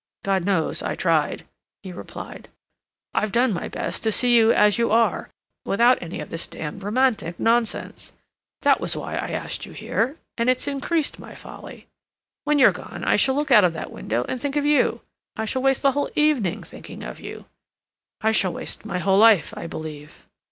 "God knows I tried," he replied. "I've done my best to see you as you are, without any of this damned romantic nonsense. That was why I asked you here, and it's increased my folly. When you're gone I shall look out of that window and think of you. I shall waste the whole evening thinking of you. I shall waste my whole life, I believe."